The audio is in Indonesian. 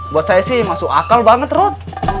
buat saya sih masuk akal banget ruth